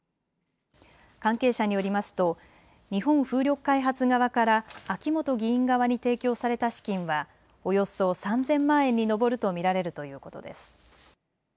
関係者によりますと日本風力開発側から秋本議員側に提供された資金はおよそ３０００万円に上ると見られるということです。